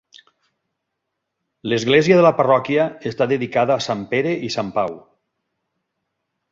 L'església de la parròquia està dedicada a Sant Pere i Sant Pau.